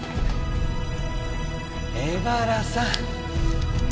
江原さん。